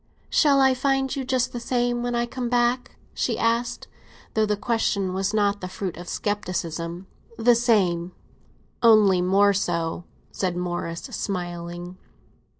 "Shall I find you just the same when I come back?" she asked; though the question was not the fruit of scepticism. "The same—only more so!" said Morris, smiling.